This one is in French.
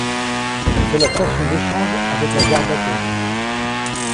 C'est la station d'échange avec la gare d'Athènes.